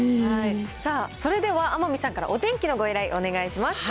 さあ、それでは天海さんからお天気のご依頼、お願いします。